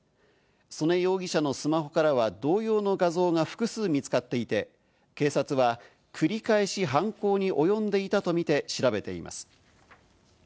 曽根容疑者のスマホからは同様の画像が複数見つかっていて、警察は繰り返し犯行に及んでいたとみて調べています。